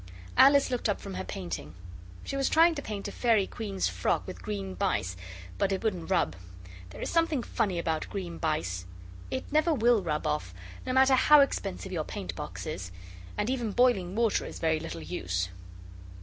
Alice looked up from her painting. She was trying to paint a fairy queen's frock with green bice, and it wouldn't rub. There is something funny about green bice. It never will rub off; no matter how expensive your paintbox is and even boiling water is very little use.